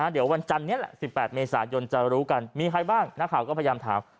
เดี๋ยววันจันนี้แหละ๑๘เมษายนจะรู้กันมีใครบ้างนักข่าวก็พยายามถาม